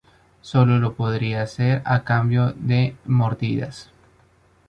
Solo lo podían hacer a cambio de mordidas.